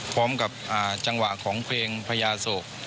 พร้อมกับจังหวะของเพลงพญาโศก